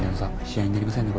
試合になりませんね